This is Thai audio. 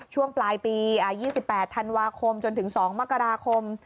ช่วงปลายปีอ่ายี่สิบแปดธันวาคมจนถึงสองมกราคม